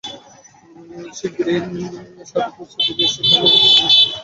শিগগিরই সার্বিক প্রস্তুতি নিয়ে সেখানে নকল ওষুধবিরোধী অভিযান পরিচালনা করা হবে।